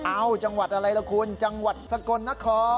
จังหวัดอะไรล่ะคุณจังหวัดสกลนคร